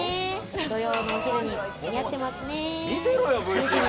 土曜のお昼に似合ってますね。